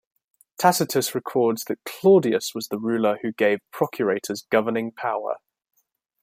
Tacitus records that Claudius was the ruler who gave procurators governing power.